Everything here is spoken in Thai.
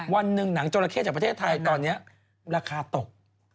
วันหนึ่งหนังจราเข้จากประเทศไทยตอนนี้ราคาตก